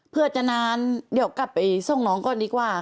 เพื่อจะนานเดี๋ยวกลับไปส่งน้องก่อนดีกว่า